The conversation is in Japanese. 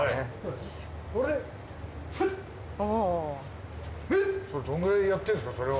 それどれくらいやってるんですかそれを。